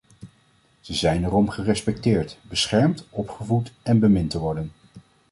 Ze zijn er om gerespecteerd, beschermd, opgevoed en bemind te worden!